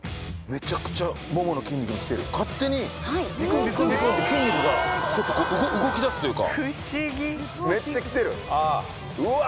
めちゃくちゃももの筋肉にきてる勝手にビクンビクンビクンって筋肉がちょっと動きだすというかめっちゃきてるうわ